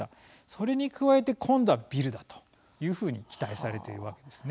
それに加えて今度はビルだというふうに期待されているわけですね。